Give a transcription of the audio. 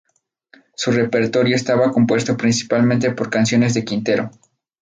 Su repertorio estaba compuesto principalmente por canciones de Quintero.